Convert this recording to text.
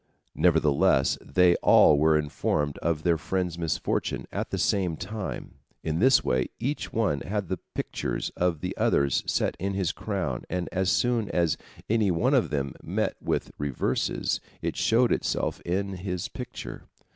Nevertheless they all were informed of their friend's misfortune at the same time, in this way: Each one had the pictures of the others set in his crown, and as soon as any one of them met with reverses, it showed itself in his picture.